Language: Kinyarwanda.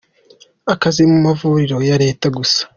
akazi mu mavuriro ya Leta Gusa.